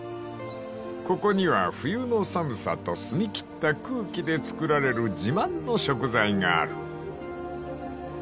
［ここには冬の寒さと澄み切った空気で作られる自慢の食材がある］